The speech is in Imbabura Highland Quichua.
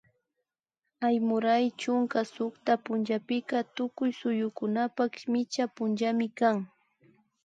Aymuray chunka sukta punllapika tukuy suyukunapak micha punllami kan